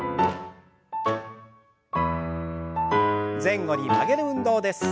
前後に曲げる運動です。